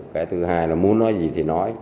cái thứ hai là muốn nói gì thì nói